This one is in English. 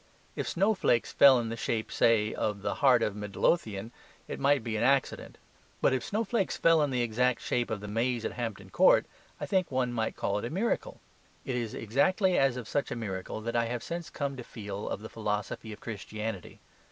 If snowflakes fell in the shape, say, of the heart of Midlothian, it might be an accident. But if snowflakes fell in the exact shape of the maze at Hampton Court, I think one might call it a miracle. It is exactly as of such a miracle that I have since come to feel of the philosophy of Christianity.